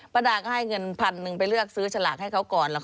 ประดาก็ให้เงินพันหนึ่งไปเลือกซื้อฉลากให้เขาก่อน